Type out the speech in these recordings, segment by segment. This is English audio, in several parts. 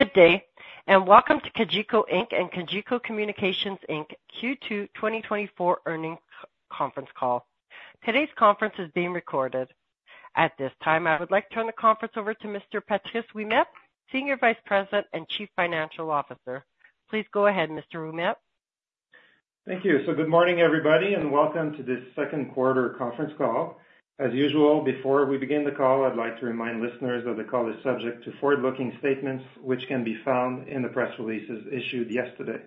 Good day and welcome to Cogeco Inc. and Cogeco Communications Inc. Q2 2024 earnings conference call. Today's conference is being recorded. At this time, I would like to turn the conference over to Mr. Patrice Ouimet, Senior Vice President and Chief Financial Officer. Please go ahead, Mr. Ouimet. Thank you. So good morning, everybody, and welcome to this second quarter conference call. As usual, before we begin the call, I'd like to remind listeners that the call is subject to forward-looking statements which can be found in the press releases issued yesterday.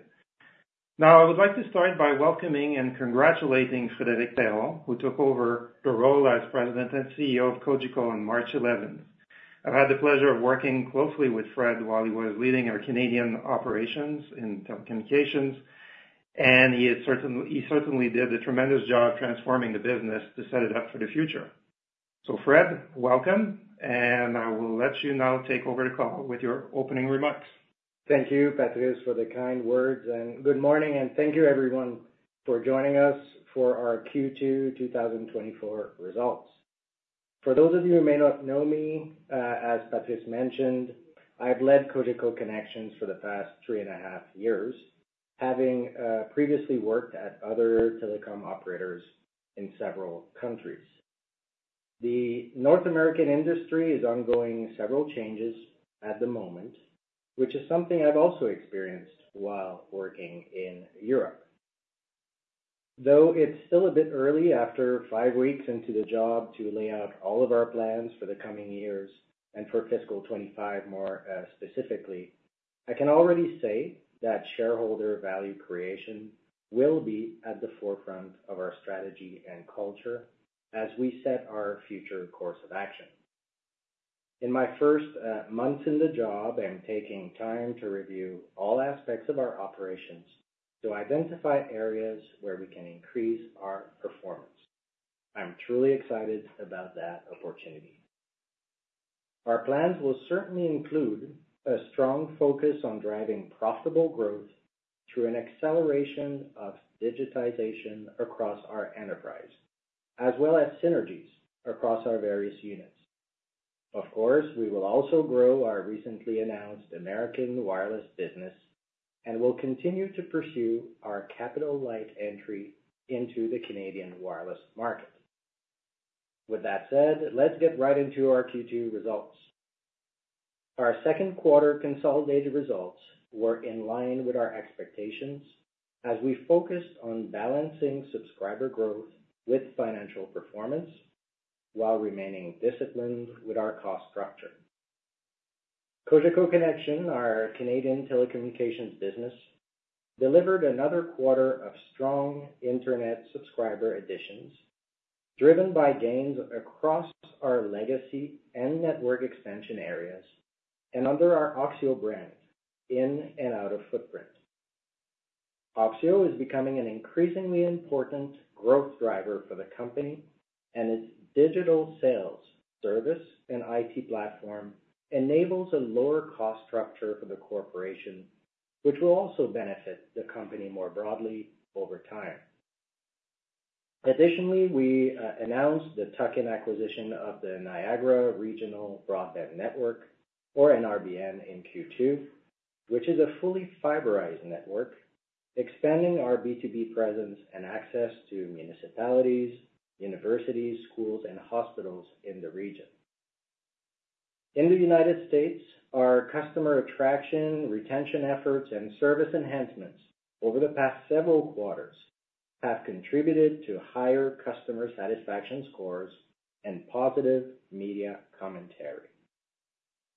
Now, I would like to start by welcoming and congratulating Frédéric Perron, who took over the role as President and CEO of Cogeco on March 11th. I've had the pleasure of working closely with Fred while he was leading our Canadian operations in telecommunications, and he certainly did a tremendous job transforming the business to set it up for the future. So Fred, welcome, and I will let you now take over the call with your opening remarks. Thank you, Patrice, for the kind words. Good morning, and thank you, everyone, for joining us for our Q2 2024 results. For those of you who may not know me, as Patrice mentioned, I've led Cogeco Connexion for the past three and a half years, having previously worked at other telecom operators in several countries. The North American industry is undergoing several changes at the moment, which is something I've also experienced while working in Europe. Though it's still a bit early after five weeks into the job to lay out all of our plans for the coming years and for fiscal 2025 more specifically, I can already say that shareholder value creation will be at the forefront of our strategy and culture as we set our future course of action. In my first months in the job, I'm taking time to review all aspects of our operations to identify areas where we can increase our performance. I'm truly excited about that opportunity. Our plans will certainly include a strong focus on driving profitable growth through an acceleration of digitization across our enterprise, as well as synergies across our various units. Of course, we will also grow our recently announced American wireless business and will continue to pursue our capital-light entry into the Canadian wireless market. With that said, let's get right into our Q2 results. Our second quarter consolidated results were in line with our expectations as we focused on balancing subscriber growth with financial performance while remaining disciplined with our cost structure. Cogeco Connexion, our Canadian telecommunications business, delivered another quarter of strong internet subscriber additions driven by gains across our legacy and network extension areas and under our OXIO brand in and out of footprint. OXIO is becoming an increasingly important growth driver for the company, and its digital sales, service, and IT platform enables a lower cost structure for the corporation, which will also benefit the company more broadly over time. Additionally, we announced the tuck-in acquisition of the Niagara Regional Broadband Network, or NRBN, in Q2, which is a fully fiberized network expanding our B2B presence and access to municipalities, universities, schools, and hospitals in the region. In the United States, our customer attraction retention efforts and service enhancements over the past several quarters have contributed to higher customer satisfaction scores and positive media commentary.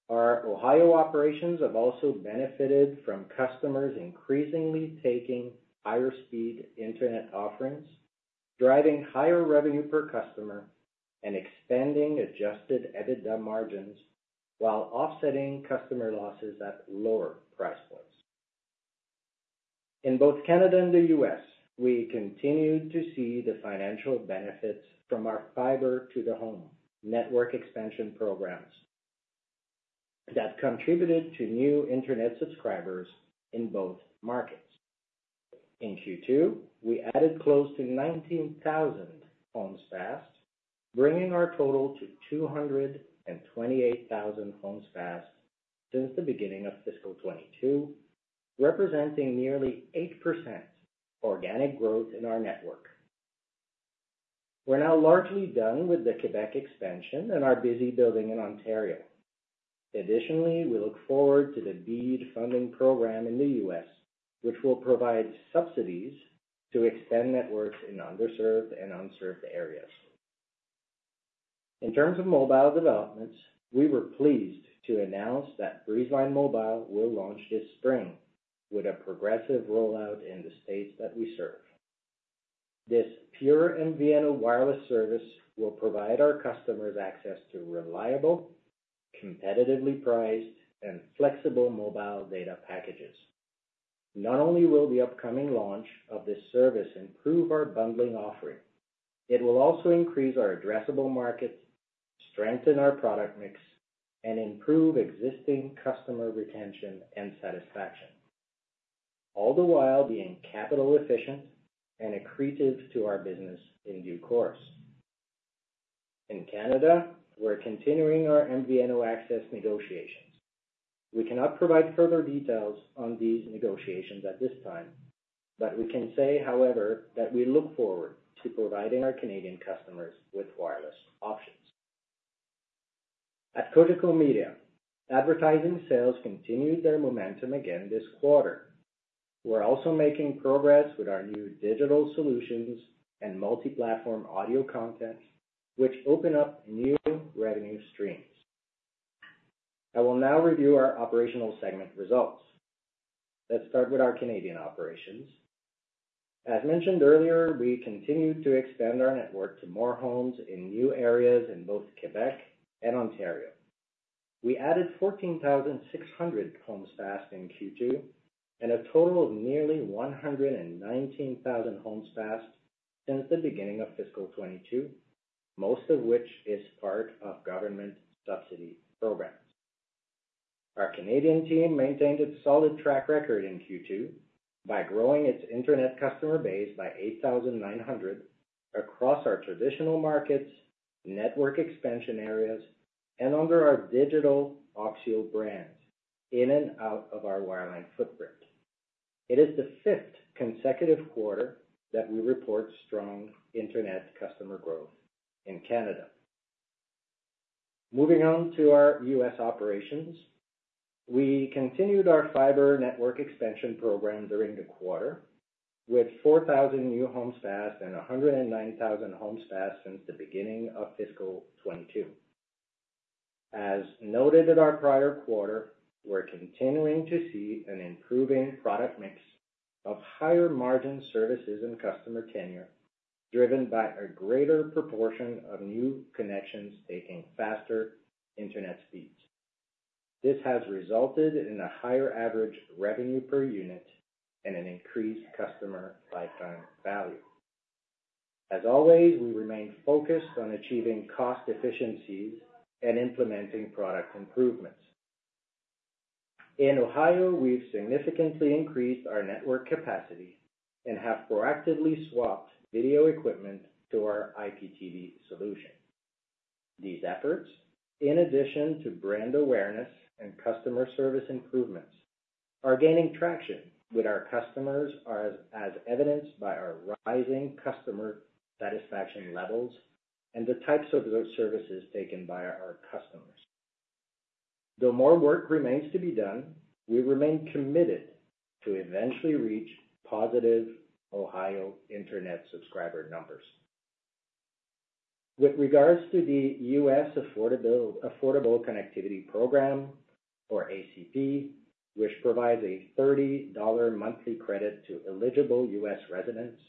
Our Ohio operations have also benefited from customers increasingly taking higher-speed internet offerings, driving higher revenue per customer, and expanding Adjusted EBITDA margins while offsetting customer losses at lower price points. In both Canada and the U.S., we continued to see the financial benefits from our Fiber to the Home network expansion programs that contributed to new internet subscribers in both markets. In Q2, we added close to 19,000 homes passed, bringing our total to 228,000 homes passed since the beginning of fiscal 2022, representing nearly 8% organic growth in our network. We're now largely done with the Quebec expansion and are busy building in Ontario. Additionally, we look forward to the BEAD funding program in the U.S., which will provide subsidies to extend networks in underserved and unserved areas. In terms of mobile developments, we were pleased to announce that Breezeline Mobile will launch this spring with a progressive rollout in the states that we serve. This Pure MVNO wireless service will provide our customers access to reliable, competitively priced, and flexible mobile data packages. Not only will the upcoming launch of this service improve our bundling offering, it will also increase our addressable markets, strengthen our product mix, and improve existing customer retention and satisfaction, all the while being capital-efficient and accretive to our business in due course. In Canada, we're continuing our MVNO access negotiations. We cannot provide further details on these negotiations at this time, but we can say, however, that we look forward to providing our Canadian customers with wireless options. At Cogeco Media, advertising sales continued their momentum again this quarter. We're also making progress with our new digital solutions and multi-platform audio content, which open up new revenue streams. I will now review our operational segment results. Let's start with our Canadian operations. As mentioned earlier, we continued to expand our network to more homes in new areas in both Quebec and Ontario. We added 14,600 homes passed in Q2 and a total of nearly 119,000 homes passed since the beginning of fiscal 2022, most of which is part of government subsidy programs. Our Canadian team maintained a solid track record in Q2 by growing its internet customer base by 8,900 across our traditional markets, network expansion areas, and under our digital OXIO brand in and out of our wireline footprint. It is the fifth consecutive quarter that we report strong internet customer growth in Canada. Moving on to our U.S. operations, we continued our fiber network expansion program during the quarter with 4,000 new homes passed and 109,000 homes passed since the beginning of fiscal 2022. As noted in our prior quarter, we're continuing to see an improving product mix of higher-margin services and customer tenure driven by a greater proportion of new connections taking faster internet speeds. This has resulted in a higher average revenue per unit and an increased customer lifetime value. As always, we remain focused on achieving cost efficiencies and implementing product improvements. In Ohio, we've significantly increased our network capacity and have proactively swapped video equipment to our IPTV solution. These efforts, in addition to brand awareness and customer service improvements, are gaining traction with our customers as evidenced by our rising customer satisfaction levels and the types of services taken by our customers. Though more work remains to be done, we remain committed to eventually reach positive Ohio internet subscriber numbers. With regards to the U.S. Affordable Connectivity Program, or ACP, which provides a $30 monthly credit to eligible U.S. residents,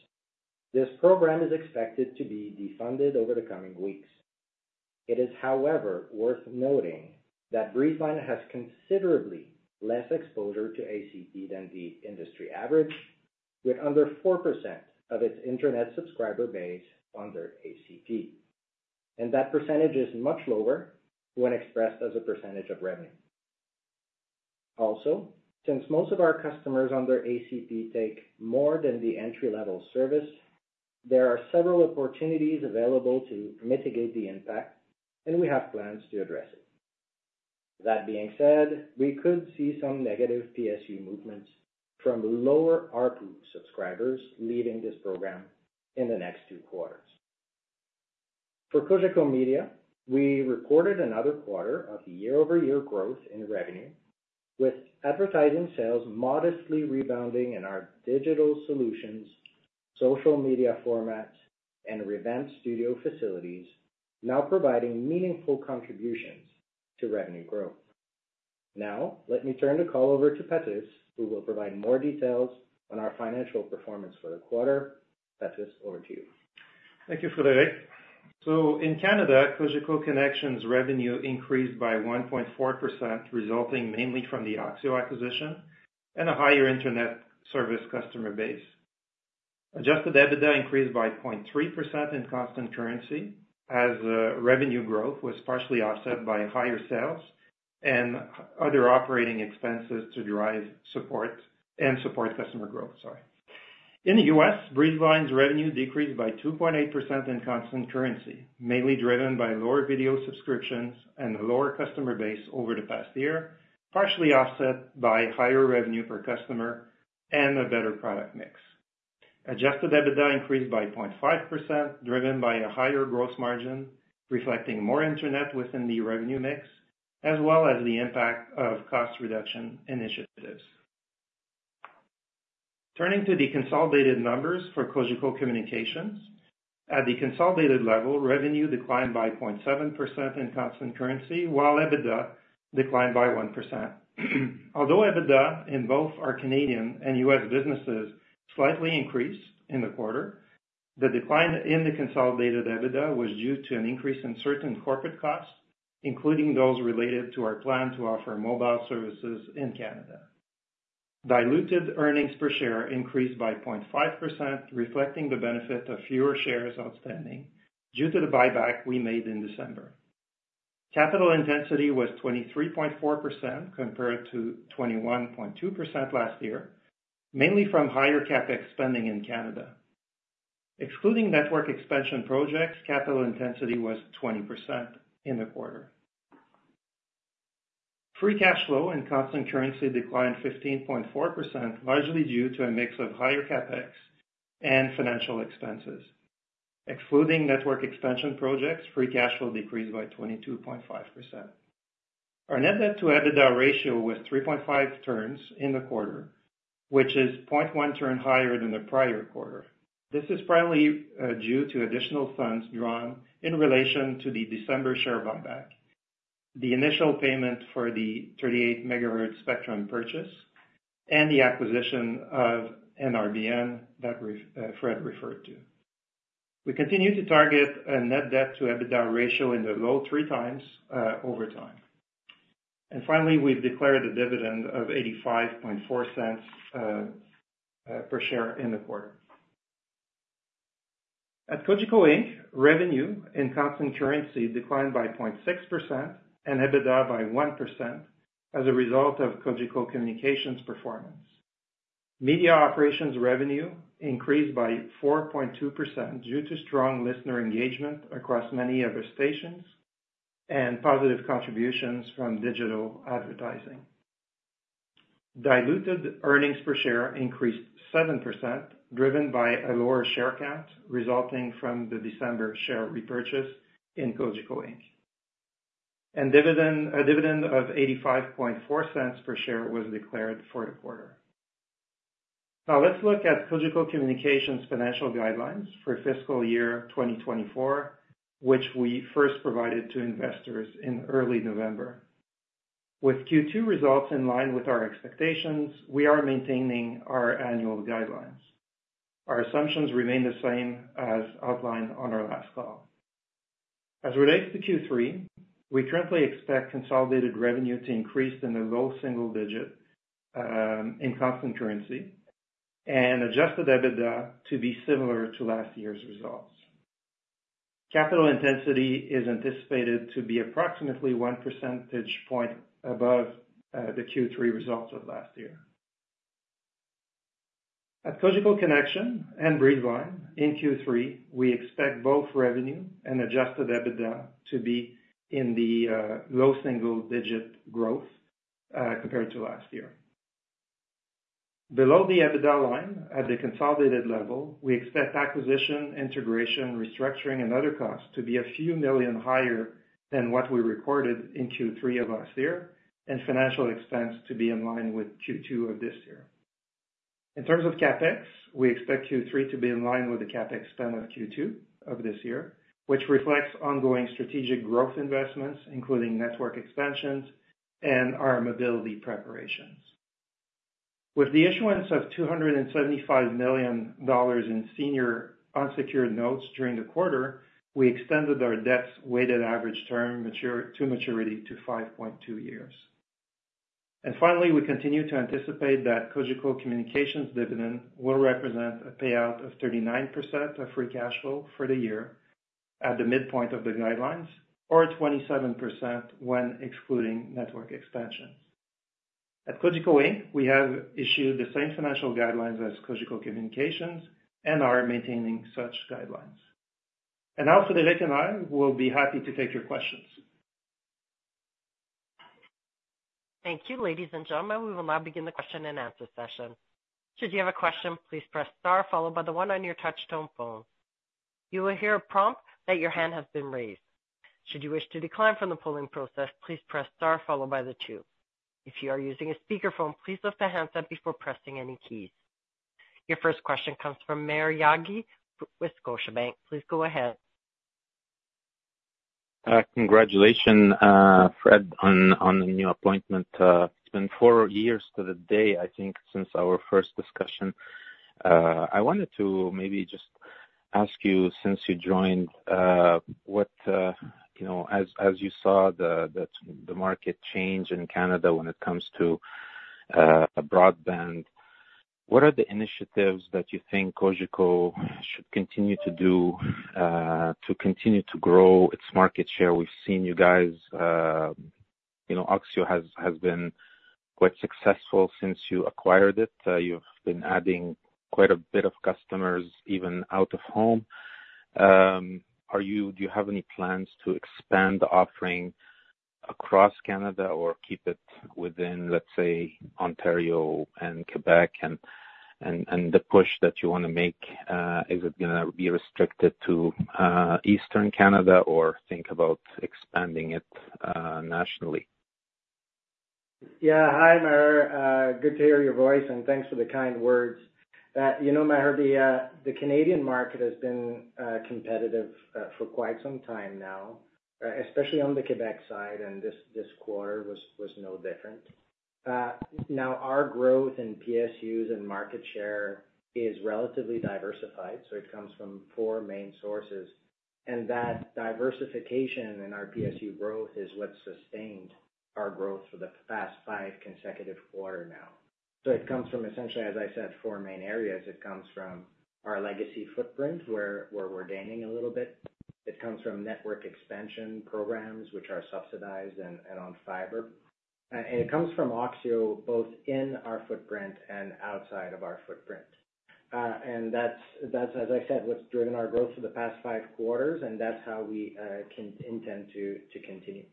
this program is expected to be defunded over the coming weeks. It is, however, worth noting that Breezeline has considerably less exposure to ACP than the industry average, with under 4% of its internet subscriber base under ACP. That percentage is much lower when expressed as a percentage of revenue. Also, since most of our customers under ACP take more than the entry-level service, there are several opportunities available to mitigate the impact, and we have plans to address it. That being said, we could see some negative PSU movements from lower ARPU subscribers leaving this program in the next two quarters. For Cogeco Media, we reported another quarter of the year-over-year growth in revenue, with advertising sales modestly rebounding in our digital solutions, social media formats, and revamped studio facilities now providing meaningful contributions to revenue growth. Now, let me turn the call over to Patrice, who will provide more details on our financial performance for the quarter. Patrice, over to you. Thank you, Frédéric. So in Canada, Cogeco Connexion revenue increased by 1.4%, resulting mainly from the OXIO acquisition and a higher internet service customer base. Adjusted EBITDA increased by 0.3% in constant currency as revenue growth was partially offset by higher sales and other operating expenses to drive support and support customer growth, sorry. In the U.S., Breezeline's revenue decreased by 2.8% in constant currency, mainly driven by lower video subscriptions and a lower customer base over the past year, partially offset by higher revenue per customer and a better product mix. Adjusted EBITDA increased by 0.5%, driven by a higher gross margin reflecting more internet within the revenue mix, as well as the impact of cost reduction initiatives. Turning to the consolidated numbers for Cogeco Communications, at the consolidated level, revenue declined by 0.7% in constant currency while EBITDA declined by 1%. Although EBITDA in both our Canadian and U.S. businesses slightly increased in the quarter, the decline in the consolidated EBITDA was due to an increase in certain corporate costs, including those related to our plan to offer mobile services in Canada. Diluted earnings per share increased by 0.5%, reflecting the benefit of fewer shares outstanding due to the buyback we made in December. Capital intensity was 23.4% compared to 21.2% last year, mainly from higher CapEx spending in Canada. Excluding network expansion projects, capital intensity was 20% in the quarter. Free cash flow in constant currency declined 15.4%, largely due to a mix of higher CapEx and financial expenses. Excluding network expansion projects, free cash flow decreased by 22.5%. Our net debt-to-EBITDA ratio was 3.5 turns in the quarter, which is 0.1 turn higher than the prior quarter. This is primarily due to additional funds drawn in relation to the December share buyback, the initial payment for the 38 MHz spectrum purchase, and the acquisition of NRBN that Fred referred to. We continue to target a net debt-to-EBITDA ratio in the low 3x over time. And finally, we've declared a dividend of 0.854 per share in the quarter. At Cogeco Inc., revenue in constant currency declined by 0.6% and EBITDA by 1% as a result of Cogeco Communications' performance. Media operations revenue increased by 4.2% due to strong listener engagement across many other stations and positive contributions from digital advertising. Diluted earnings per share increased 7%, driven by a lower share count resulting from the December share repurchase in Cogeco Inc. A dividend of 0.854 per share was declared for the quarter. Now, let's look at Cogeco Communications' financial guidelines for fiscal year 2024, which we first provided to investors in early November. With Q2 results in line with our expectations, we are maintaining our annual guidelines. Our assumptions remain the same as outlined on our last call. As relates to Q3, we currently expect consolidated revenue to increase in the low single digit in constant currency and Adjusted EBITDA to be similar to last year's results. Capital intensity is anticipated to be approximately 1 percentage point above the Q3 results of last year. At Cogeco Connexion and Breezeline, in Q3, we expect both revenue and Adjusted EBITDA to be in the low single digit growth compared to last year. Below the EBITDA line at the consolidated level, we expect acquisition, integration, restructuring, and other costs to be a few million higher than what we recorded in Q3 of last year and financial expense to be in line with Q2 of this year. In terms of CapEx, we expect Q3 to be in line with the CapEx spend of Q2 of this year, which reflects ongoing strategic growth investments, including network expansions and our mobility preparations. With the issuance of $275 million in senior unsecured notes during the quarter, we extended our debt's weighted average term to maturity to 5.2 years. And finally, we continue to anticipate that Cogeco Communications' dividend will represent a payout of 39% of free cash flow for the year at the midpoint of the guidelines or 27% when excluding network expansions. At Cogeco Inc., we have issued the same financial guidelines as Cogeco Communications and are maintaining such guidelines. Now, Frédéric and I, we'll be happy to take your questions. Thank you, ladies and gentlemen. We will now begin the question and answer session. Should you have a question, please press star, followed by the one on your touch-tone phone. You will hear a prompt that your hand has been raised. Should you wish to decline from the polling process, please press star, followed by the two. If you are using a speakerphone, please lift the handset before pressing any keys. Your first question comes from Maher Yaghi with Scotiabank. Please go ahead. Congratulations, Fred, on the new appointment. It's been four years to the day, I think, since our first discussion. I wanted to maybe just ask you, since you joined, what as you saw the market change in Canada when it comes to broadband, what are the initiatives that you think Cogeco should continue to do to continue to grow its market share? We've seen you guys OXIO has been quite successful since you acquired it. You've been adding quite a bit of customers even out of home. Do you have any plans to expand the offering across Canada or keep it within, let's say, Ontario and Quebec? And the push that you want to make, is it going to be restricted to Eastern Canada or think about expanding it nationally? Yeah. Hi, Maher. Good to hear your voice, and thanks for the kind words. Maher, the Canadian market has been competitive for quite some time now, especially on the Quebec side, and this quarter was no different. Now, our growth in PSUs and market share is relatively diversified, so it comes from four main sources. That diversification in our PSU growth is what's sustained our growth for the past five consecutive quarters now. It comes from, essentially, as I said, four main areas. It comes from our legacy footprint, where we're gaining a little bit. It comes from network expansion programs, which are subsidized and on fiber. It comes from OXIO both in our footprint and outside of our footprint. That's, as I said, what's driven our growth for the past five quarters, and that's how we intend to continue.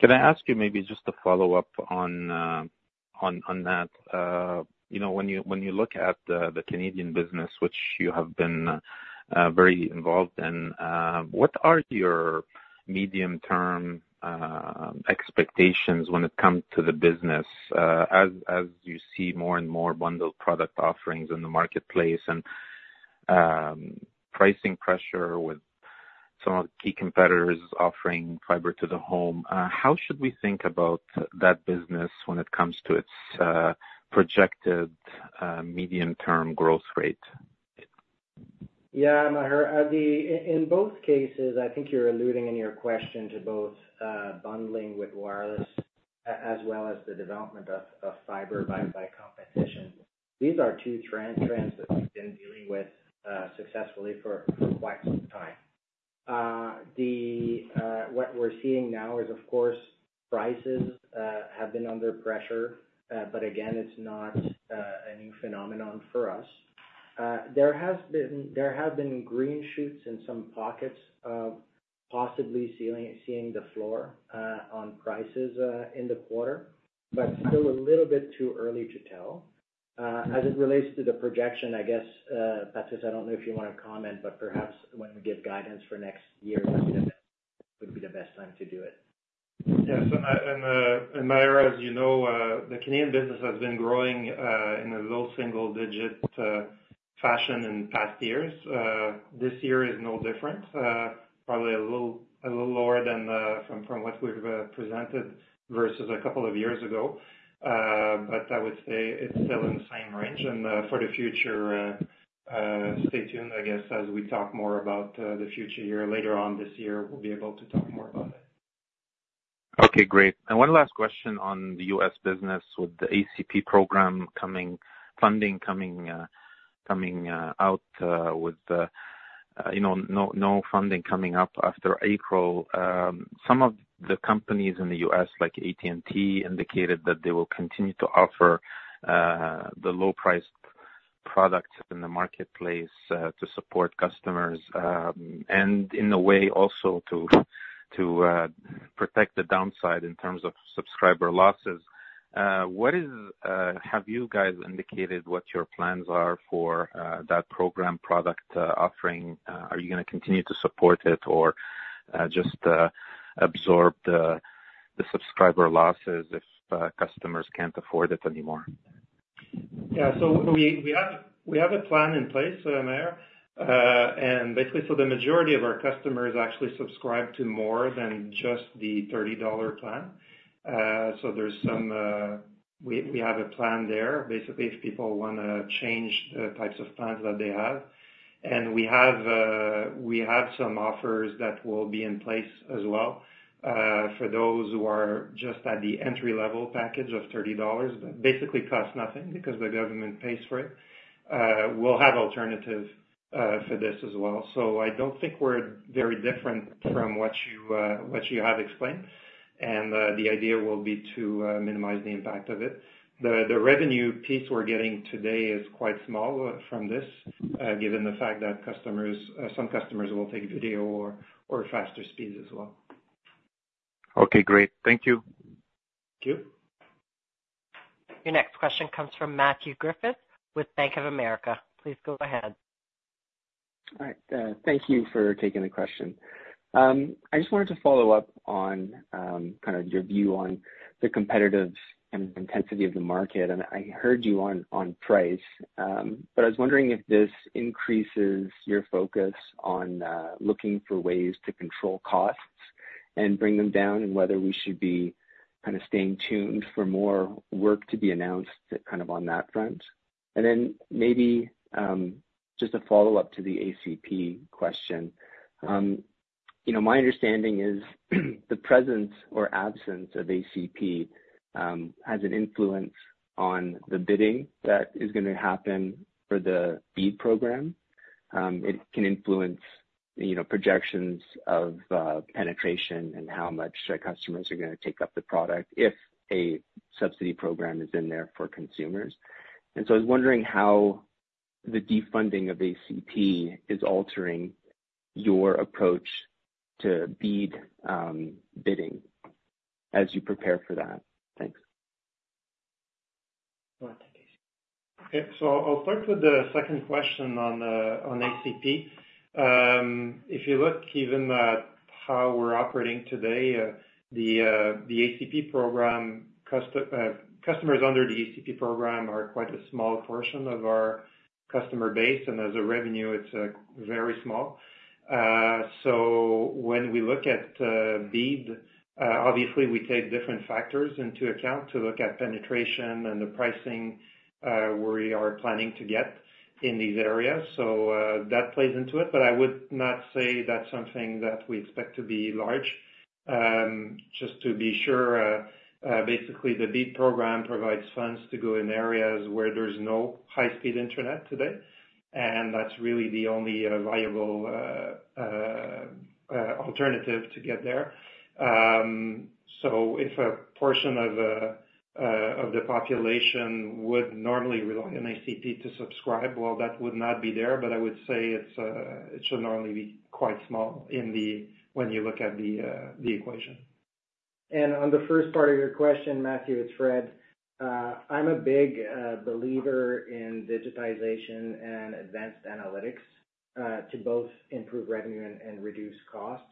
Can I ask you maybe just a follow-up on that? When you look at the Canadian business, which you have been very involved in, what are your medium-term expectations when it comes to the business as you see more and more bundled product offerings in the marketplace and pricing pressure with some of the key competitors offering fiber to the home? How should we think about that business when it comes to its projected medium-term growth rate? Yeah, Maher. In both cases, I think you're alluding in your question to both bundling with wireless as well as the development of fiber by competition. These are two trends that we've been dealing with successfully for quite some time. What we're seeing now is, of course, prices have been under pressure, but again, it's not a new phenomenon for us. There have been green shoots in some pockets of possibly seeing the floor on prices in the quarter, but still a little bit too early to tell. As it relates to the projection, I guess, Patrice, I don't know if you want to comment, but perhaps when we give guidance for next year, that would be the best time to do it. Yes. And Maher, as you know, the Canadian business has been growing in a low single digit fashion in past years. This year is no different, probably a little lower than from what we've presented versus a couple of years ago. But I would say it's still in the same range. And for the future, stay tuned, I guess, as we talk more about the future year. Later on this year, we'll be able to talk more about it. Okay. Great. One last question on the U.S. business with the ACP program funding coming out with no funding coming up after April. Some of the companies in the U.S., like AT&T, indicated that they will continue to offer the low-priced products in the marketplace to support customers and, in a way, also to protect the downside in terms of subscriber losses. Have you guys indicated what your plans are for that program product offering? Are you going to continue to support it or just absorb the subscriber losses if customers can't afford it anymore? Yeah. So we have a plan in place, Maher. And basically, so the majority of our customers actually subscribe to more than just the $30 plan. So we have a plan there, basically, if people want to change the types of plans that they have. And we have some offers that will be in place as well for those who are just at the entry-level package of $30 that basically costs nothing because the government pays for it. We'll have alternatives for this as well. So I don't think we're very different from what you have explained, and the idea will be to minimize the impact of it. The revenue piece we're getting today is quite small from this, given the fact that some customers will take video or faster speeds as well. Okay. Great. Thank you. Thank you. Your next question comes from Matthew Griffiths with Bank of America. Please go ahead. All right. Thank you for taking the question. I just wanted to follow up on kind of your view on the competitiveness and intensity of the market. I heard you on price, but I was wondering if this increases your focus on looking for ways to control costs and bring them down and whether we should be kind of staying tuned for more work to be announced kind of on that front. Then maybe just a follow-up to the ACP question. My understanding is the presence or absence of ACP has an influence on the bidding that is going to happen for the BEAD program. It can influence projections of penetration and how much customers are going to take up the product if a subsidy program is in there for consumers. I was wondering how the defunding of ACP is altering your approach to BEAD bidding as you prepare for that. Thanks. All right, take this. Okay. So I'll start with the second question on ACP. If you look even at how we're operating today, the ACP program customers under the ACP program are quite a small portion of our customer base. And as a revenue, it's very small. So when we look at BEAD, obviously, we take different factors into account to look at penetration and the pricing we are planning to get in these areas. So that plays into it, but I would not say that's something that we expect to be large. Just to be sure, basically, the BEAD program provides funds to go in areas where there's no high-speed internet today, and that's really the only viable alternative to get there. So if a portion of the population would normally rely on ACP to subscribe, well, that would not be there, but I would say it should normally be quite small when you look at the equation. On the first part of your question, Matthew, it's Fred. I'm a big believer in digitization and advanced analytics to both improve revenue and reduce cost.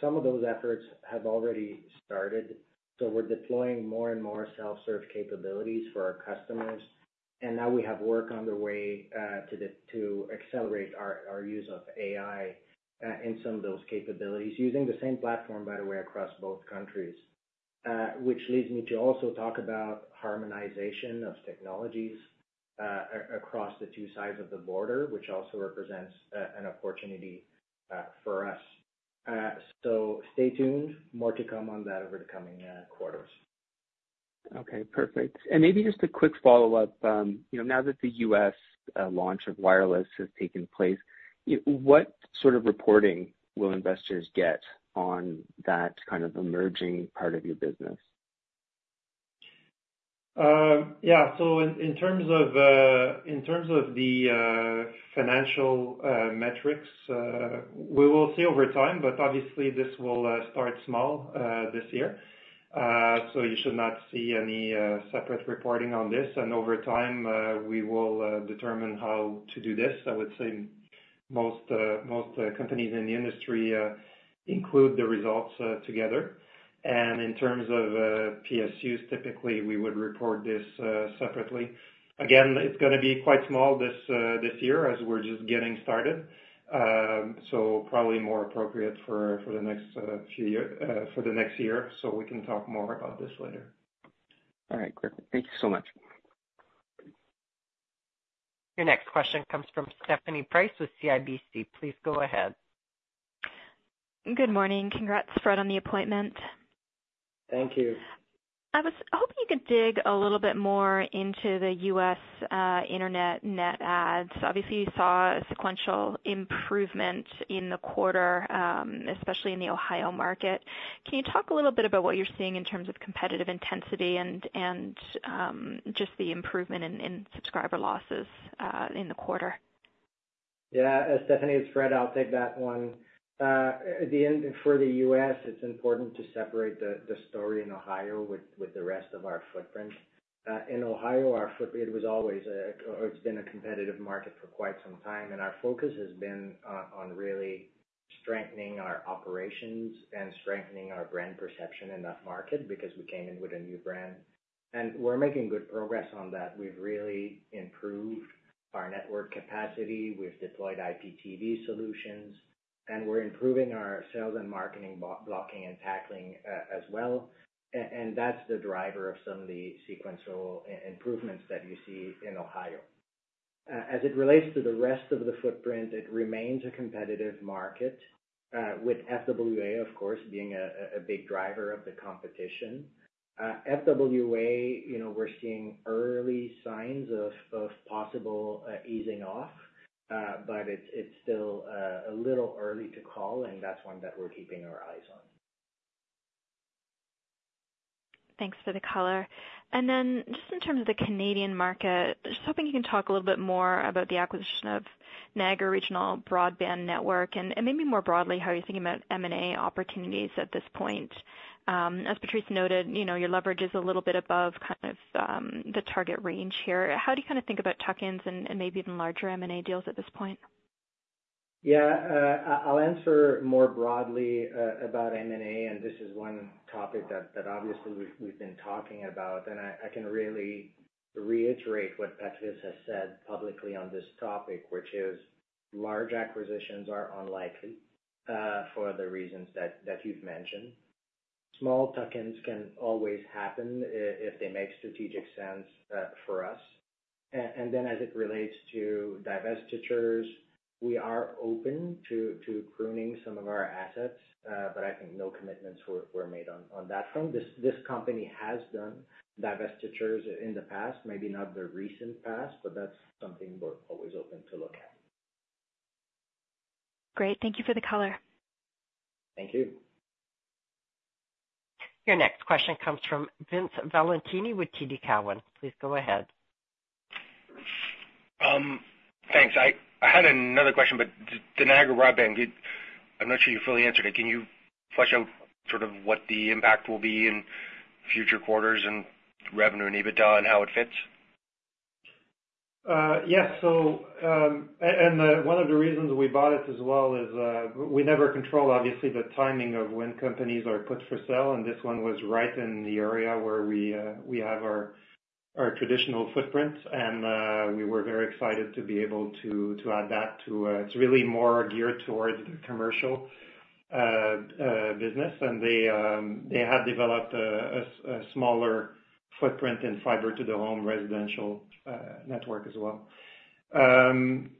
Some of those efforts have already started. We're deploying more and more self-serve capabilities for our customers. And now we have work underway to accelerate our use of AI in some of those capabilities, using the same platform, by the way, across both countries, which leads me to also talk about harmonization of technologies across the two sides of the border, which also represents an opportunity for us. So stay tuned. More to come on that over the coming quarters. Okay. Perfect. And maybe just a quick follow-up. Now that the U.S. launch of wireless has taken place, what sort of reporting will investors get on that kind of emerging part of your business? Yeah. So in terms of the financial metrics, we will see over time, but obviously, this will start small this year. So you should not see any separate reporting on this. And over time, we will determine how to do this. I would say most companies in the industry include the results together. And in terms of PSUs, typically, we would report this separately. Again, it's going to be quite small this year as we're just getting started, so probably more appropriate for the next few years for the next year. So we can talk more about this later. All right. Great. Thank you so much. Your next question comes from Stephanie Price with CIBC. Please go ahead. Good morning. Congrats, Fred, on the appointment. Thank you. I was hoping you could dig a little bit more into the U.S. internet net adds. Obviously, you saw a sequential improvement in the quarter, especially in the Ohio market. Can you talk a little bit about what you're seeing in terms of competitive intensity and just the improvement in subscriber losses in the quarter? Yeah. Stephanie, it's Fred. I'll take that one. For the U.S., it's important to separate the story in Ohio with the rest of our footprint. In Ohio, it was always or it's been a competitive market for quite some time. And our focus has been on really strengthening our operations and strengthening our brand perception in that market because we came in with a new brand. And we're making good progress on that. We've really improved our network capacity. We've deployed IPTV solutions, and we're improving our sales and marketing blocking and tackling as well. And that's the driver of some of the sequential improvements that you see in Ohio. As it relates to the rest of the footprint, it remains a competitive market with FWA, of course, being a big driver of the competition. FWA, we're seeing early signs of possible easing off, but it's still a little early to call, and that's one that we're keeping our eyes on. Thanks for the color. Then just in terms of the Canadian market, just hoping you can talk a little bit more about the acquisition of NRBN, or Regional Broadband Network, and maybe more broadly, how you're thinking about M&A opportunities at this point. As Patrice noted, your leverage is a little bit above kind of the target range here. How do you kind of think about tuck-ins and maybe even larger M&A deals at this point? Yeah. I'll answer more broadly about M&A. And this is one topic that obviously, we've been talking about. And I can really reiterate what Patrice has said publicly on this topic, which is large acquisitions are unlikely for the reasons that you've mentioned. Small tuck-ins can always happen if they make strategic sense for us. And then as it relates to divestitures, we are open to pruning some of our assets, but I think no commitments were made on that front. This company has done divestitures in the past, maybe not the recent past, but that's something we're always open to look at. Great. Thank you for the color. Thank you. Your next question comes from Vince Valentini with TD Cowen. Please go ahead. Thanks. I had another question, but the Niagara Broadband, I'm not sure you fully answered it. Can you flesh out sort of what the impact will be in future quarters and revenue and EBITDA and how it fits? Yes. One of the reasons we bought it as well is we never control, obviously, the timing of when companies are put for sale. This one was right in the area where we have our traditional footprint, and we were very excited to be able to add that to it. It's really more geared towards the commercial business. They have developed a smaller footprint in Fiber to the Home residential network as well.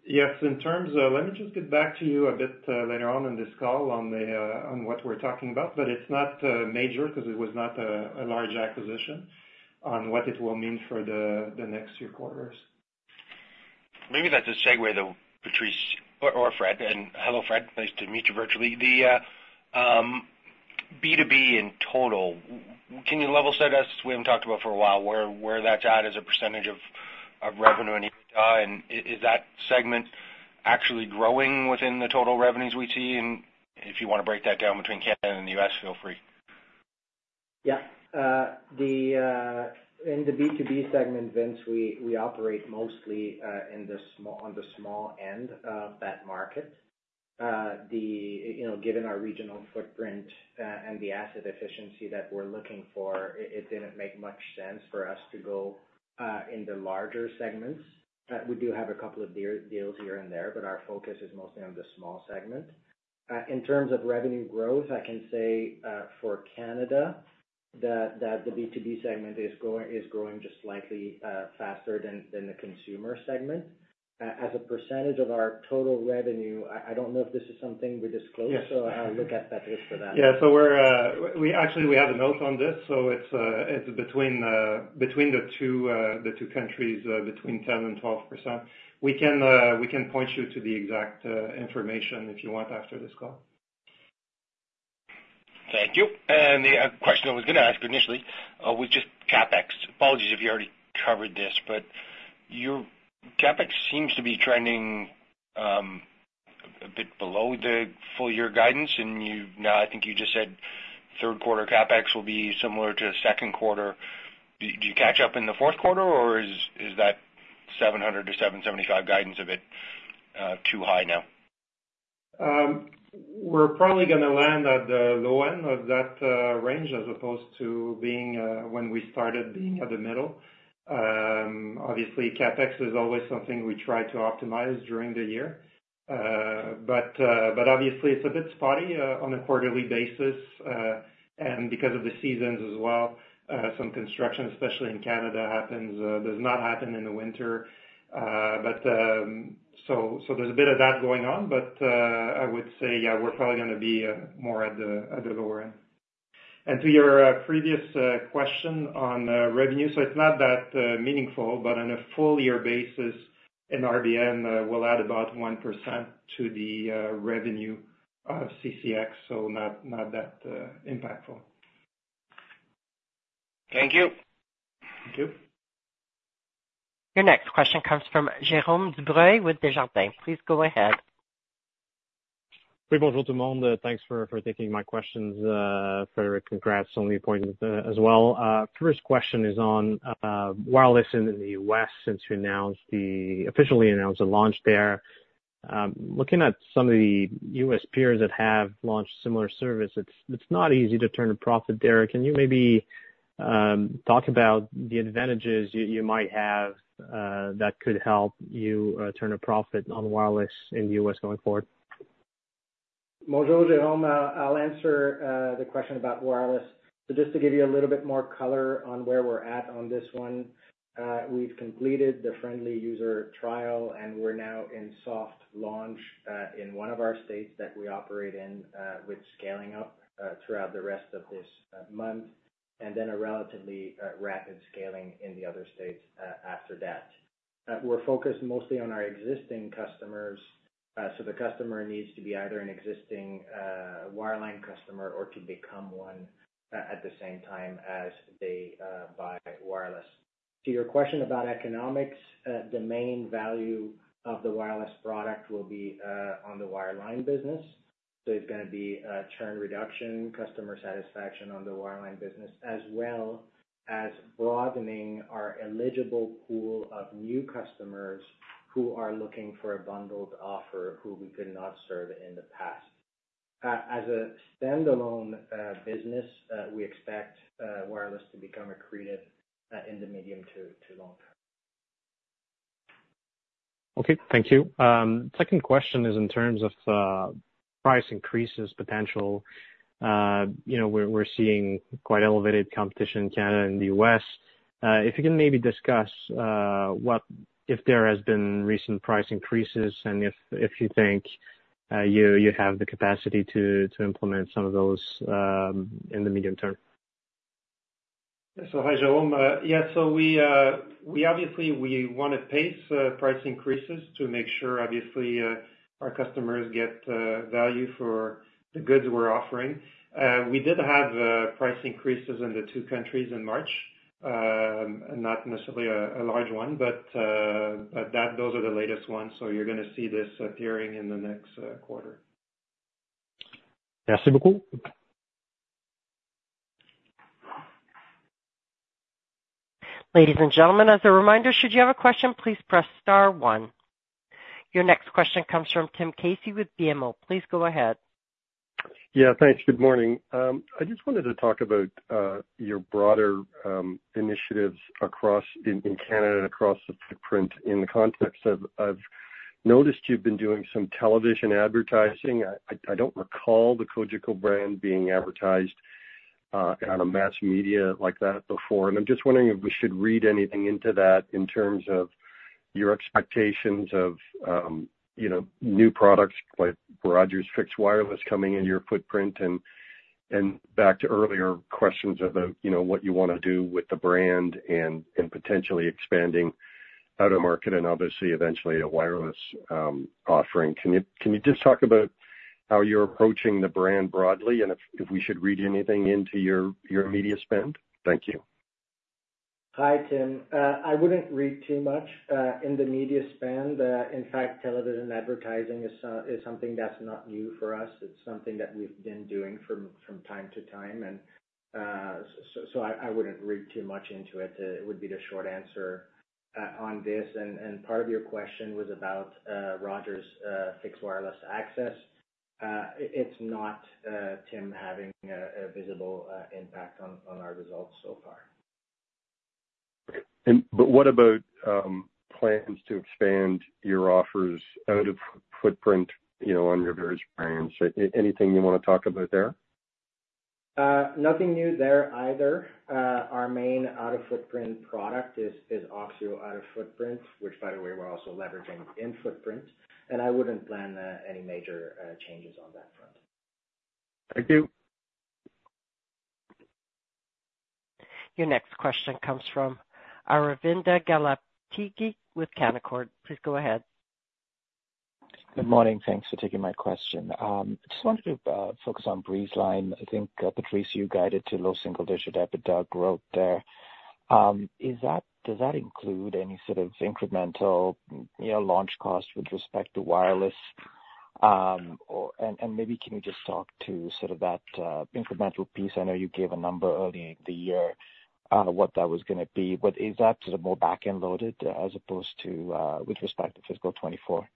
Yes. Let me just get back to you a bit later on in this call on what we're talking about, but it's not major because it was not a large acquisition on what it will mean for the next few quarters. Maybe that's a segue though, Patrice or Fred. Hello, Fred. Nice to meet you virtually. The B2B in total, can you level set us? We haven't talked about for a while where that's at as a percentage of revenue and EBITDA. Is that segment actually growing within the total revenues we see? If you want to break that down between Canada and the U.S., feel free. Yeah. In the B2B segment, Vince, we operate mostly on the small end of that market. Given our regional footprint and the asset efficiency that we're looking for, it didn't make much sense for us to go in the larger segments. We do have a couple of deals here and there, but our focus is mostly on the small segment. In terms of revenue growth, I can say for Canada, that the B2B segment is growing just slightly faster than the consumer segment. As a percentage of our total revenue, I don't know if this is something we disclose, so I'll look at Patrice for that. Yeah. So actually, we have a note on this. So it's between the two countries, between 10%-12%. We can point you to the exact information if you want after this call. Thank you. The question I was going to ask you initially was just CapEx. Apologies if you already covered this, but CapEx seems to be trending a bit below the full-year guidance. Now, I think you just said third-quarter CapEx will be similar to second quarter. Do you catch up in the fourth quarter, or is that 700-775 guidance a bit too high now? We're probably going to land at the low end of that range as opposed to when we started being at the middle. Obviously, CapEx is always something we try to optimize during the year, but obviously, it's a bit spotty on a quarterly basis. And because of the seasons as well, some construction, especially in Canada, does not happen in the winter. So there's a bit of that going on, but I would say, yeah, we're probably going to be more at the lower end. And to your previous question on revenue, so it's not that meaningful, but on a full-year basis, an RBN will add about 1% to the revenue of CCX, so not that impactful. Thank you. Thank you. Your next question comes from Jérôme Dubreuil with Desjardins. Please go ahead. Oui. Bonjour, tout le monde. Thanks for taking my questions. Frédéric, congrats on the appointment as well. First question is on wireless in the U.S. since you officially announced the launch there. Looking at some of the U.S. peers that have launched similar services, it's not easy to turn a profit. Frédéric, can you maybe talk about the advantages you might have that could help you turn a profit on wireless in the U.S. going forward? Bonjour, Jérôme. I'll answer the question about wireless. So just to give you a little bit more color on where we're at on this one, we've completed the friendly user trial, and we're now in soft launch in one of our states that we operate in with scaling up throughout the rest of this month and then a relatively rapid scaling in the other states after that. We're focused mostly on our existing customers. So the customer needs to be either an existing wireline customer or to become one at the same time as they buy wireless. To your question about economics, the main value of the wireless product will be on the wireline business. It's going to be churn reduction, customer satisfaction on the wireline business, as well as broadening our eligible pool of new customers who are looking for a bundled offer who we could not serve in the past. As a standalone business, we expect wireless to become accretive in the medium to long term. Okay. Thank you. Second question is in terms of price increases potential. We're seeing quite elevated competition in Canada and the U.S. If you can maybe discuss if there have been recent price increases and if you think you have the capacity to implement some of those in the medium term. Yeah. So hi, Jérôme. Yeah. So obviously, we want to pace price increases to make sure, obviously, our customers get value for the goods we're offering. We did have price increases in the two countries in March, not necessarily a large one, but those are the latest ones. So you're going to see this appearing in the next quarter. Merci beaucoup. Ladies and gentlemen, as a reminder, should you have a question, please press star one. Your next question comes from Tim Casey with BMO. Please go ahead. Yeah. Thanks. Good morning. I just wanted to talk about your broader initiatives in Canada and across the footprint in the context of I've noticed you've been doing some television advertising. I don't recall the Cogeco brand being advertised on a mass media like that before. And I'm just wondering if we should read anything into that in terms of your expectations of new products like Rogers' fixed wireless coming in your footprint. And back to earlier questions of what you want to do with the brand and potentially expanding out of market and obviously, eventually, a wireless offering. Can you just talk about how you're approaching the brand broadly and if we should read anything into your media spend? Thank you. Hi, Tim. I wouldn't read too much into the media spend. In fact, television advertising is something that's not new for us. It's something that we've been doing from time to time. And so I wouldn't read too much into it. It would be the short answer on this. And part of your question was about Rogers' Fixed Wireless Access. It's not having a visible impact on our results so far. Okay. But what about plans to expand your offers out of footprint on your various brands? Anything you want to talk about there? Nothing new there either. Our main out-of-footprint product is OXIO out-of-footprint, which, by the way, we're also leveraging in footprint. And I wouldn't plan any major changes on that front. Thank you. Your next question comes from Aravinda Galappatthige with Canaccord. Please go ahead. Good morning. Thanks for taking my question. I just wanted to focus on Breezeline. I think, Patrice, you guided to low single-digit EBITDA growth there. Does that include any sort of incremental launch cost with respect to wireless? And maybe can you just talk to sort of that incremental piece? I know you gave a number earlier in the year on what that was going to be. But is that sort of more back-end loaded with respect to fiscal 2024?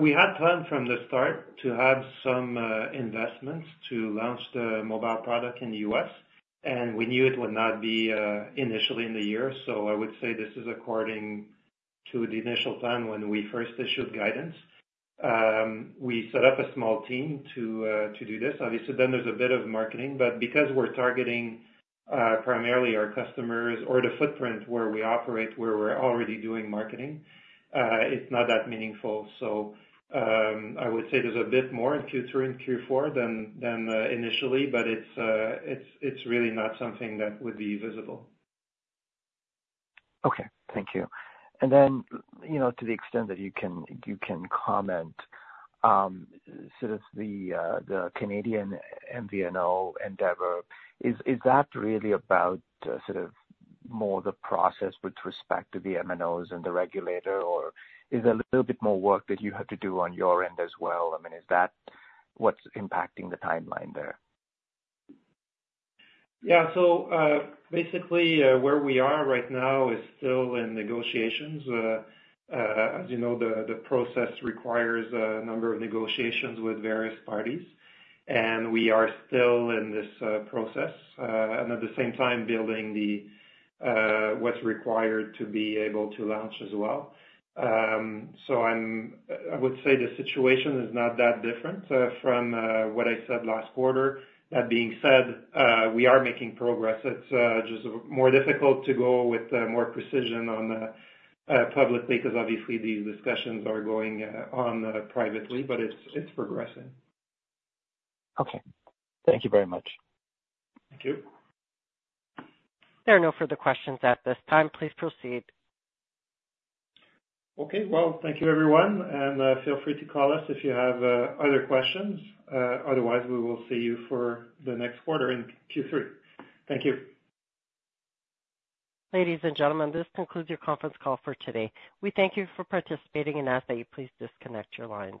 We had planned from the start to have some investments to launch the mobile product in the U.S. We knew it would not be initially in the year. I would say this is according to the initial plan when we first issued guidance. We set up a small team to do this. Obviously, then there's a bit of marketing. Because we're targeting primarily our customers or the footprint where we operate, where we're already doing marketing, it's not that meaningful. I would say there's a bit more in Q3 and Q4 than initially, but it's really not something that would be visible. Okay. Thank you. And then to the extent that you can comment, sort of the Canadian MVNO endeavor, is that really about sort of more the process with respect to the MNOs and the regulator, or is there a little bit more work that you have to do on your end as well? I mean, is that what's impacting the timeline there? Yeah. So basically, where we are right now is still in negotiations. As you know, the process requires a number of negotiations with various parties. We are still in this process and at the same time building what's required to be able to launch as well. I would say the situation is not that different from what I said last quarter. That being said, we are making progress. It's just more difficult to go with more precision publicly because obviously, these discussions are going on privately, but it's progressing. Okay. Thank you very much. Thank you. There are no further questions at this time. Please proceed. Okay. Well, thank you, everyone. Feel free to call us if you have other questions. Otherwise, we will see you for the next quarter in Q3. Thank you. Ladies and gentlemen, this concludes your conference call for today. We thank you for participating and ask that you please disconnect your line.